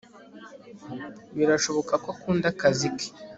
Birashoboka ko akunda akazi ke